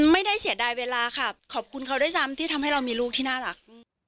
ไม่ได้เสียดายเวลาค่ะขอบคุณเขาด้วยซ้ำที่ทำให้เรามีลูกที่น่ารัก